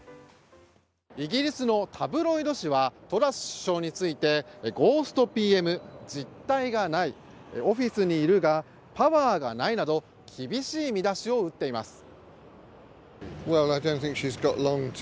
イギリスのタブロイド紙はトラス首相についてゴーストＰＭ、実体がないオフィスにいるがパワーがないなど厳しい見出しを打っています。